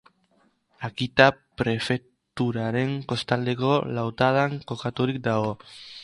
Akita prefeturaren kostaldeko lautadan kokaturik dago.